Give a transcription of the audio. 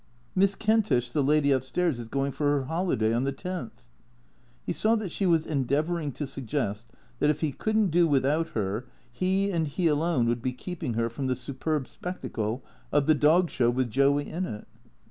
" Miss Kentish, the lady up stairs, is going for her holiday on the tenth." He saw that she was endeavouring to suggest that if he could n't do without her, he and he alone would be keeping her from the superb spectacle of the Dog Show with Joey in it.